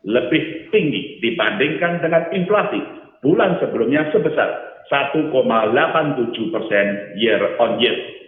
lebih tinggi dibandingkan dengan inflasi bulan sebelumnya sebesar satu delapan puluh tujuh persen year on year